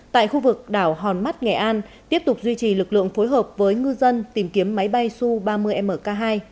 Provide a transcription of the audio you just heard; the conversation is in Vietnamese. tại khu vực đảo hòn mắt nghệ an tiếp tục duy trì lực lượng phối hợp với ngư dân tìm kiếm máy bay su ba mươi mk hai